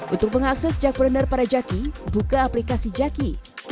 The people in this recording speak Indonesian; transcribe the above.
untuk mengakses cekpreneur pada jaki buka aplikasi jaki